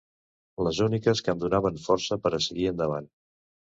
Les úniques que em donaven força per a seguir endavant.